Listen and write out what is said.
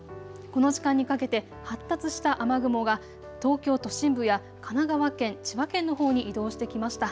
この時間にかけて発達した雨雲が東京都心部や神奈川県、千葉県のほうに移動してきました。